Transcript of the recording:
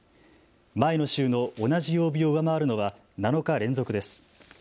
前の週の同じ曜日を上回るのは７日連続です。